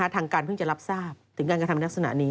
ทางการเพิ่งจะรับทราบถึงการกระทำลักษณะนี้